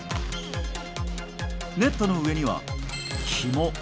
ネットの上には、ひも。